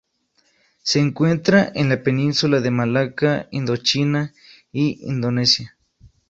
Se encuentra en la Península de Malaca, Indochina y Indonesia.